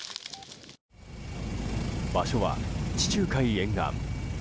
場所は、地中海沿岸。